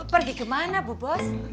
pergi kemana bu bos